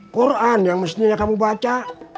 quran yang mestinya kamu baca